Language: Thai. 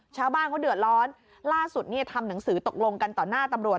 ชาวบ้านเขาเดือดร้อนล่าสุดเนี่ยทำหนังสือตกลงกันต่อหน้าตำรวจ